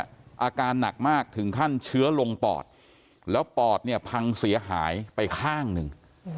อาการหนักมากถึงขั้นเชื้อลงปอดแล้วปอดเนี่ยพังเสียหายไปข้างหนึ่ง